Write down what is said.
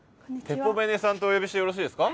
てぽベネさんとお呼びしてよろしいですか？